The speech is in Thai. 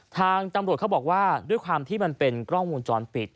ทางตำรวจเขาบอกว่าด้วยความที่มันเป็นกล้องวงจรปิด